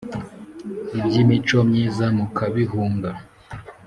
iby’imico myiza mukabihunga